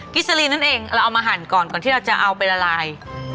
สลีนั่นเองเราเอามาหั่นก่อนก่อนที่เราจะเอาไปละลาย